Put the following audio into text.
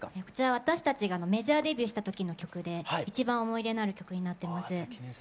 こちら私たちがメジャーデビューしたときの曲で一番思い入れのある曲になってます。